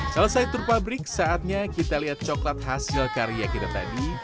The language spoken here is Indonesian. selesai tur pabrik saatnya kita lihat coklat hasil karya kita tadi